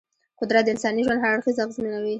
قدرت د انساني ژوند هر اړخ اغېزمنوي.